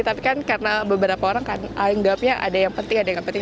tapi kan karena beberapa orang kan anggapnya ada yang penting ada yang penting